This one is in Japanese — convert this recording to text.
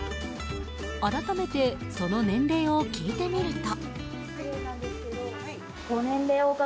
改めてその年齢を聞いてみると。